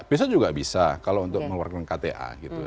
besok juga bisa kalau untuk mewargeng kta gitu